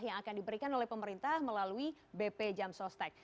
yang akan diberikan oleh pemerintah melalui bp jam sostek